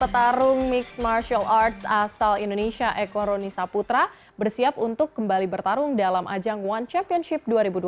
petarung mixed martial arts asal indonesia eko roni saputra bersiap untuk kembali bertarung dalam ajang one championship dua ribu dua puluh